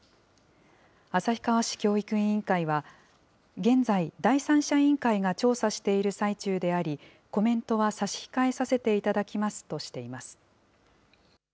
旭川市教育委員会は、現在、第三者委員会が調査している最中であり、コメントは差し控えさせていただきますとしています。